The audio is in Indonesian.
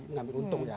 mengambil untung ya